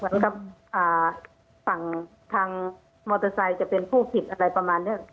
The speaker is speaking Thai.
ให้กับฝั่งทางมอเตอร์ไซค์จะเป็นผู้ผิดอะไรประมาณนี้